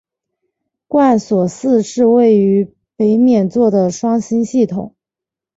贯索四是位于北冕座的双星系统。